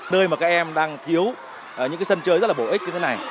nơi mà các em đang thiếu những sân chơi rất là bổ ích như thế này